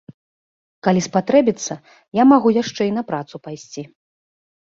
Калі спатрэбіцца, я магу яшчэ і на працу пайсці.